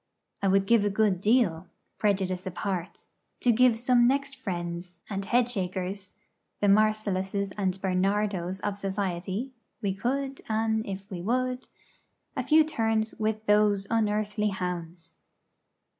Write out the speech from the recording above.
I would give a good deal prejudice apart to give some next friends and Head shakers (the Marcelluses and Bernardos of society 'We could, an if we would ') a few turns with those unearthly hounds.